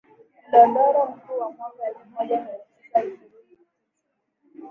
Mdodoro mkuu wa mwaka elfumoja miatisa ishirini na tisa